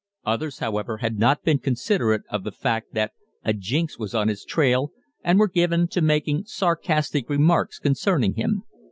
Others, however, had not been considerate of the fact that a "Jinx" was on his trail, and were given to making sarcastic remarks concerning him.